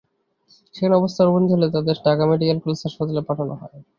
সেখানে অবস্থার অবনতি হলে তাঁদের ঢাকা মেডিকেল কলেজ হাসপাতালে পাঠানো হয়।